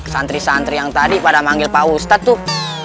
santri santri yang tadi padauri pak ustadz tuh